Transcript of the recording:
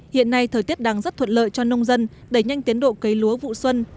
hiện nay thời tiết đang rất thuận lợi cho nông dân đẩy nhanh tiến độ cấy lúa vụ xuân